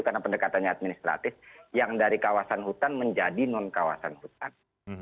karena pendekatannya administratif yang dari kawasan hutan menjadi non kawasan hutan